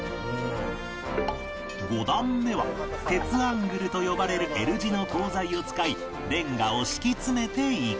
５段目は鉄アングルと呼ばれる Ｌ 字の鋼材を使いレンガを敷き詰めていく